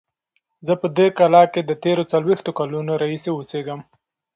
زه په دې کلا کې د تېرو څلوېښتو کلونو راهیسې اوسیږم.